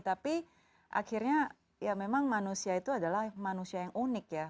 tapi akhirnya ya memang manusia itu adalah manusia yang unik ya